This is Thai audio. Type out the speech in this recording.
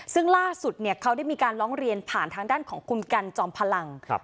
ซึ่งล่าสุดเขาได้มีการร้องเรียนผ่านทางด้านของคุณกันจอมพลัง